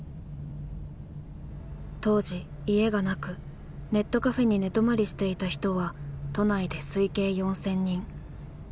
当時家がなくネットカフェに寝泊まりしていた人は都内で推計４，０００人。